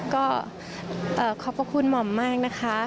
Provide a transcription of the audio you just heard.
ก็ขอขอบคุณหม่อมมากนะคะ